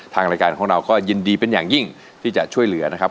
ทางรายการของเราก็ยินดีเป็นอย่างยิ่งที่จะช่วยเหลือนะครับ